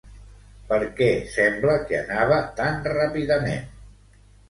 Per què sembla que anava tan ràpidament?